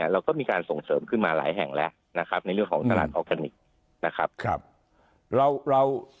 เราก็มีการส่งเสริมขึ้นมาหลายแห่งแล้วนะครับในเรื่องของตลาดออร์แกนิคนะครับ